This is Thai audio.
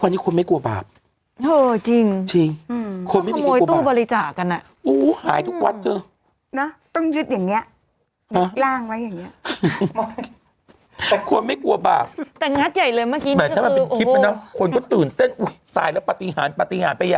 ใช่ค่ะตอนแรกนึกว่าเป็นปฏิหารเนี่ย